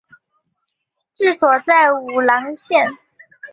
治所在武郎县。